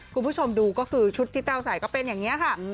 คุณผู้ชมดูก็คือชุดที่แต้วใส่ก็เป็นอย่างนี้ค่ะ